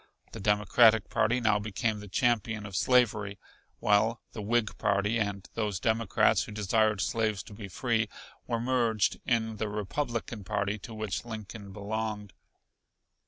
The Democratic party now became the champion of slavery, while the Whig party, and those Democrats who desired slaves to be free, were merged in the Republican party to which Lincoln belonged.